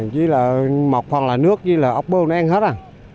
chỉ là mọc phòng là nước chỉ là ốc bô nó ăn hết à